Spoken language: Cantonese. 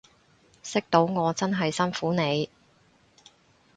識到我真係辛苦你